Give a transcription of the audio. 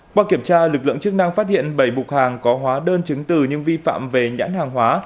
qua kiểm tra lực lượng chức năng phát hiện bảy bục hàng có hóa đơn chứng từ nhưng vi phạm về nhãn hàng hóa